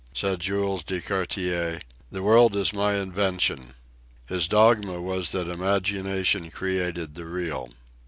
Said Jules de Gaultier, "The world is my invention." His dogma was that imagination created the Real.